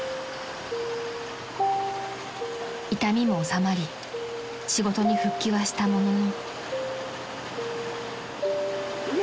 ［痛みも治まり仕事に復帰はしたものの］